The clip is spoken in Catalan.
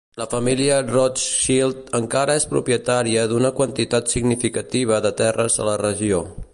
La família Rothschild encara és propietària d'una quantitat significativa de terres a la regió.